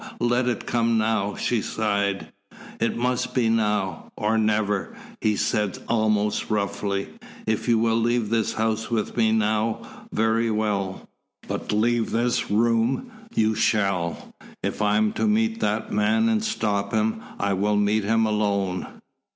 Let it come now!" she sighed. "It must be now or never," he said almost roughly. "If you will leave this house with me now, very well. But leave this room you shall. If I am to meet that man and stop him, I will meet him alone."